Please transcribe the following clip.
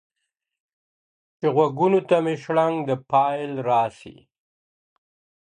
چي غوږونو ته مي شرنګ د پایل راسي.